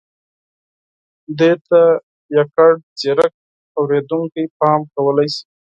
دې ته یوازې ځيرک اورېدونکي پام کولای شي.